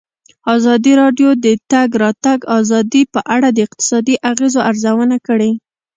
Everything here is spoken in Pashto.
ازادي راډیو د د تګ راتګ ازادي په اړه د اقتصادي اغېزو ارزونه کړې.